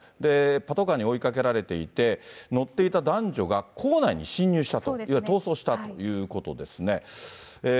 パトカーに追いかけられていて、乗っていた男女が校内に侵入したと、逃走したということですね。